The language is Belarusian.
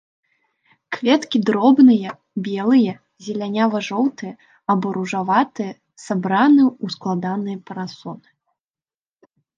Кветкі дробныя белыя, зелянява-жоўтыя або ружаватыя, сабраны ў складаныя парасоны.